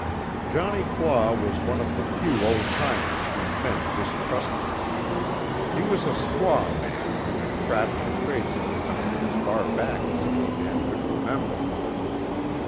Johnnie Claw was one of the few old timers whom men distrusted. He was a squaw man who had trapped and traded in the country as far back as any man could remember.